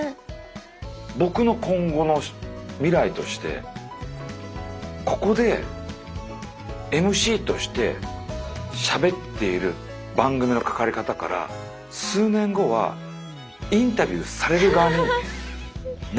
僕の今後の未来としてここでＭＣとしてしゃべっている番組の関わり方から数年後はインタビューされる側になりたい。